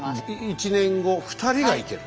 １年後２人が行ける。